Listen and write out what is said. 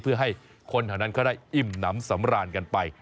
เพื่อให้คนแถวนั้นเขาได้อิ่มน้ำสำราญกันไป